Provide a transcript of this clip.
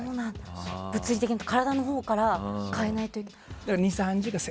物理的に体のほうから変えないと。